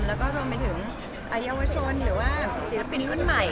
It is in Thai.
แล้วก็รวมไปถึงเยาวชนหรือว่าศิลปินรุ่นใหม่